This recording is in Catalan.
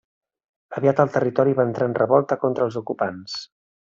Aviat el territori va entrar en revolta contra els ocupants.